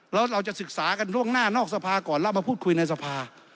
แล้วเราจะศึกษากันล่วงหน้านอกสภาก่อนแล้วมาพูดคุยในสภา